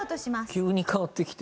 急に変わってきてるな。